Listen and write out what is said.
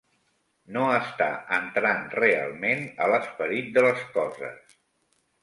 No està entrant realment a l'esperit de les coses.